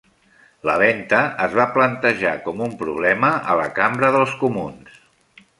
La venta es va plantejar com un problema a la Cambra del Comuns.